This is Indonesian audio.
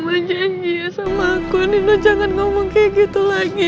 mama janji ya sama aku nino jangan ngomong kayak gitu lagi